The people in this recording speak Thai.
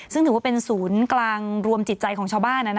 ซึ่งถือว่าเป็นศูนย์กลางรวมจิตใจของชาวบ้าน